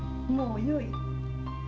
もうよい！